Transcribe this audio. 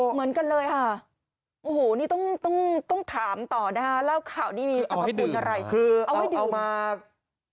เหมือนกันเลยค่ะโอ้โหนี่ต้องถามต่อนะคะเล่าขาวนี้มีสรรพคุณอะไร